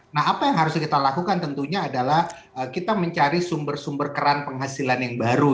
nah apa yang harus kita lakukan tentunya adalah kita mencari sumber sumber keran penghasilan yang baru